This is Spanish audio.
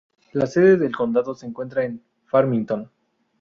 La sede del condado se encuentra en Farmington.